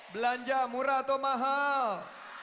belanja murah atau mahal